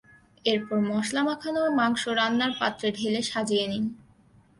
এরপর মসলা মাখানো মাংস রান্নার পাত্রে ঢেলে সাজিয়ে নিন।